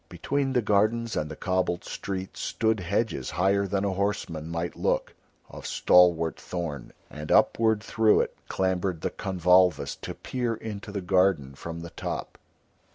Between the gardens and the cobbled streets stood hedges higher than a horseman might look, of stalwart thorn, and upward through it clambered the convolvulus to peer into the garden from the top.